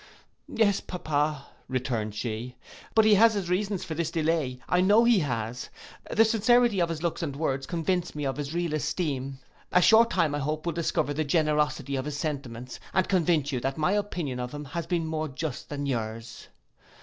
'—'Yes, pappa,' returned she, 'but he has his reasons for this delay: I know he has. The sincerity of his looks and words convince me of his real esteem. A short time, I hope, will discover the generosity of his sentiments, and convince you that my opinion of him has been more just than yours.